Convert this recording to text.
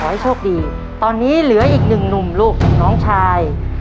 ให้โชคดีตอนนี้เหลืออีกหนึ่งหนุ่มลูกน้องชาย